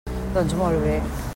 Doncs, molt bé.